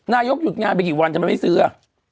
นายกหยุดงานไปกี่วันทำไมไม่ซื้อ